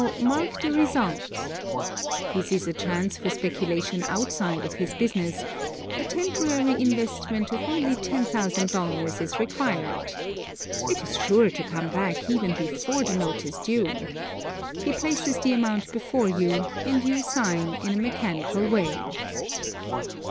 Now mark the result: He sees a chance for speculation outside of his business a temporary investment of only $10,000 is required. It is sure to come back even before the note is due. He places the amount before you and you sign in a mechanical way.